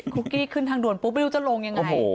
คุกกี้ขึ้นทางด่วนไม่รู้จะลงยังไง